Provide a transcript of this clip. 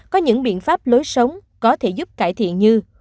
có những biện pháp lối sống có thể giúp cải thiện như